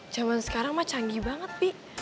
zaman sekarang mah canggih banget nih